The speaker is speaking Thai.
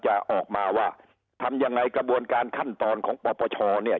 จะออกมาว่าทำยังไงกระบวนการขั้นตอนของปปชเนี่ย